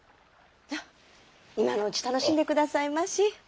今のうち楽しんでくださいまし。